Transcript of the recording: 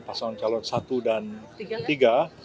pasangan calon satu dan tiga